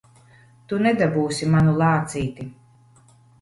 Tu nedabūsi manu lācīti!